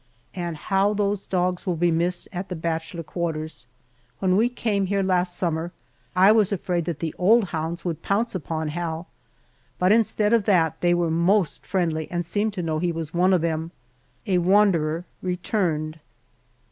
And how those dogs will be missed at the bachelor quarters! When we came here last summer, I was afraid that the old hounds would pounce upon Hal, but instead of that they were most friendly and seemed to know he was one of them a wanderer returned.